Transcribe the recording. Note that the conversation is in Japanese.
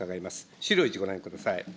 資料１、ご覧ください。